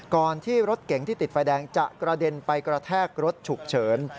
ก่อนที่รถเก๋งที่ติดไฟแดงจะกระเด็นไปกระแทกรถฉุกเฉิน